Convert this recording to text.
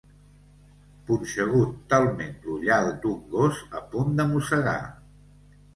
Punxegut talment l'ullal d'un gos a punt de mossegar.